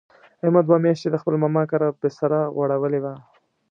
احمد دوه میاشتې د خپل ماما کره بستره غوړولې وه.